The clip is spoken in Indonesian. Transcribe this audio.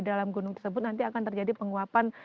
dalam gunung tersebut nanti akan terjadi penguapan